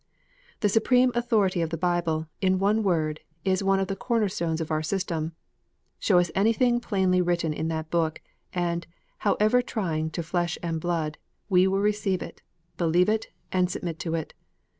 The supreme authority of the Bible, in one word, is one of the corner stones of our system. Show us anything plainly written in that Book, and, however trying to flesh and blood, we will receive it, believe it, and submit to it.